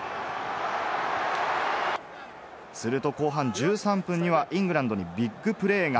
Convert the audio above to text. すると後半１３分にはイングランドにビッグプレーが。